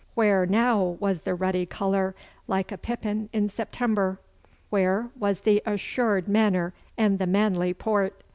Where now was the ruddy colour like a pippin in September? Where was the assured manner and the manly port?